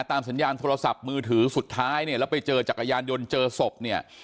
สัญญาณโทรศัพท์มือถือสุดท้ายเนี่ยแล้วไปเจอจักรยานยนต์เจอศพเนี่ย